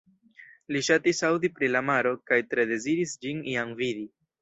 Li ŝatis aŭdi pri la maro, kaj tre deziris ĝin iam vidi.